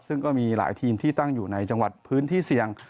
ซึ่งก็มีหลายทีมที่ตั้งอยู่ในจังหวัดพื้นที่เสี่ยง